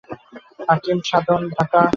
হাকীম Sadhan, Dhaka.